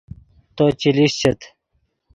تو چے لیشچیت